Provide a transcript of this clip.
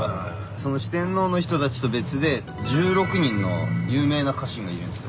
その四天王の人たちと別で１６人の有名な家臣がいるんですよ。